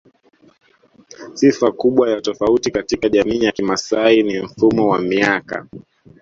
Sifa kubwa ya tofauti katika Jamii ya kimaasai ni mfumo wa miaka